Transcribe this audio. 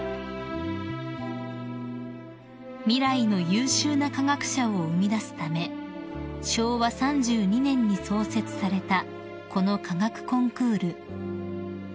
［未来の優秀な科学者を生みだすため昭和３２年に創設されたこの科学コンクール］